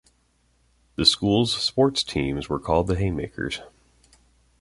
The school's sports teams were called the Haymakers.